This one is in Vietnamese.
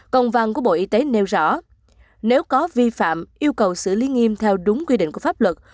công văn của bộ y tế nêu rõ nếu có vi phạm yêu cầu xử lý nghiêm theo đúng quy định của pháp luật